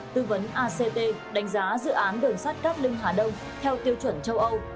tư vấn act đánh giá dự án đường sắt cát linh hà đông theo tiêu chuẩn châu âu